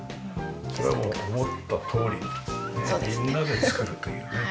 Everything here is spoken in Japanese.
それはもう思ったとおりみんなで作るというね。